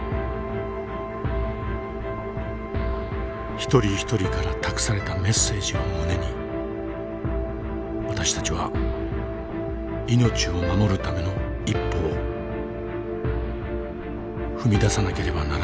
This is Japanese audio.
一人一人から託されたメッセージを胸に私たちは命を守るための一歩を踏み出さなければならないのです。